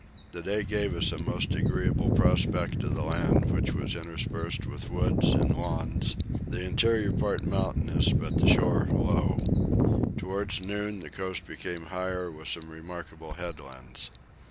The day gave us a most agreeable prospect of the land which was interspersed with woods and lawns; the interior part mountainous, but the shore low. Towards noon the coast became higher with some remarkable headlands.